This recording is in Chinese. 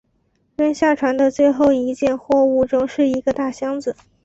扔下船的最后一件货物中是一个大箱子。